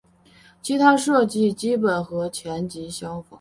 其他设计基本和前级相仿。